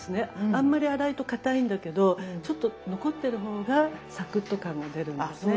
あんまり粗いとかたいんだけどちょっと残ってる方がサクッと感が出るんですね。